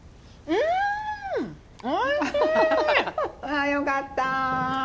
ああよかった。